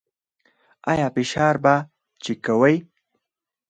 ایا فشار به چیک کوئ؟